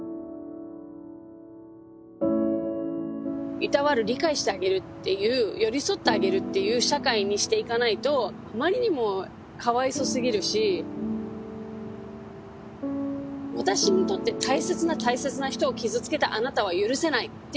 いたわる理解してあげるっていう寄り添ってあげるっていう社会にしていかないとあまりにもかわいそすぎるし私にとって大切な大切な人を傷つけたあなたは許せないっていう感情。